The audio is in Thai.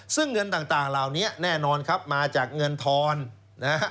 ซึ่งเงินต่างเหรอนี้แน่นอนมาจากเงินธรณ์